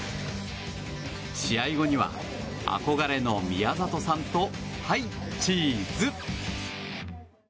試合後には憧れの宮里さんとはい、チーズ！